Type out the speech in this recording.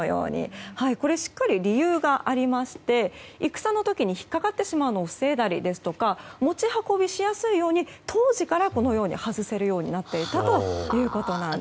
これ、しっかり理由がありまして戦の時に引っかかってしまうのを防いだり持ち運びしやすいように当時から外せるようになっていたということなんです。